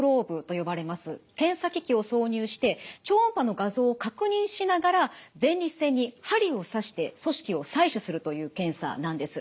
検査機器を挿入して超音波の画像を確認しながら前立腺に針を刺して組織を採取するという検査なんです。